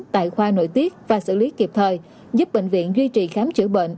tại khoa nội tiết và xử lý kịp thời giúp bệnh viện duy trì khám chữa bệnh